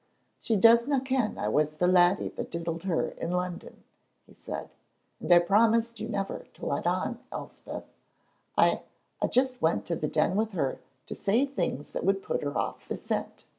"She doesna ken I was the laddie that diddled her in London," he said, "and I promise you never to let on, Elspeth. I I just went to the Den with her to say things that would put her off the scent.